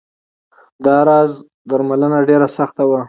دا راز درملنه ډېره سخته وه.